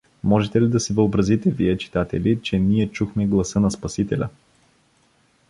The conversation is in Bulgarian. Можете ли да си въобразите вие, читатели, че ние чухме гласа на спасителя?